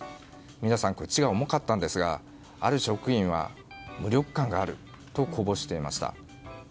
皆さん口が重かったんですがある職員は無力感があるとこぼしていました。